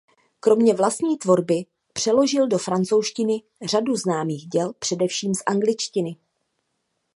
Kromě vlastní tvorby přeložil do francouzštiny řadu známých děl především z angličtiny.